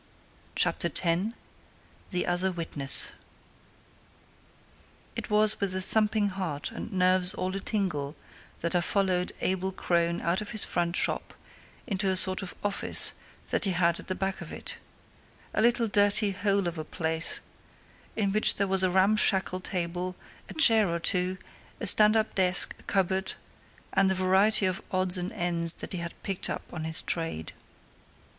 CHAPTER X THE OTHER WITNESS It was with a thumping heart and nerves all a tingle that I followed Abel Crone out of his front shop into a sort of office that he had at the back of it a little, dirty hole of a place, in which there was a ramshackle table, a chair or two, a stand up desk, a cupboard, and a variety of odds and ends that he had picked up in his trade.